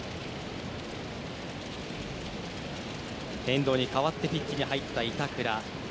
遠藤に代わってピッチに入った板倉。